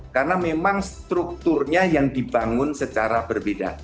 karena memang strukturnya yang dibangun secara berbeda